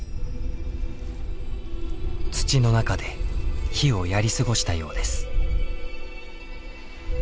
土の中で火をやり過ごしたようです。